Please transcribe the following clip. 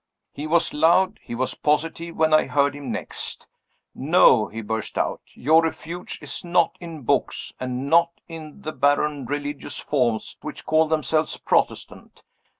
He was loud, he was positive, when I heard him next. "No!" he burst out, "your refuge is not in books, and not in the barren religious forms which call themselves Protestant.